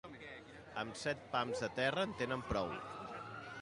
Amb set pams de terra en tenen prou.